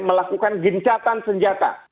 melakukan gencatan senjata